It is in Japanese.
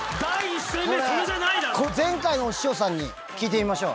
⁉前回のお師匠さんに聞いてみましょう。